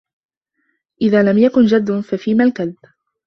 إذَا لَمْ يَكُنْ جَدٌّ فَفِيمَ الْكَدُّ